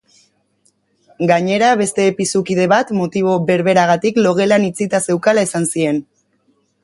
Gainera, beste pisu-kide bat, motibo berberagatik logelan itxita zeukala esan zien.